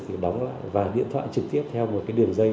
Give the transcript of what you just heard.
thì đóng lại và điện thoại trực tiếp theo một điểm dây